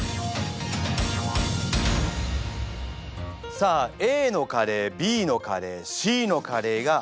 さあＡのカレーＢのカレーＣのカレーがあります。